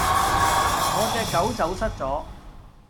我隻狗走失咗